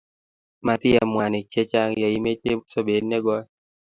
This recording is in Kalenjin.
matiam mwanik che chang' ye imeche sobet ne goi